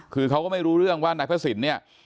คือเขาก็ไม่รู้เรื่องว่านักภาษินเนี่ย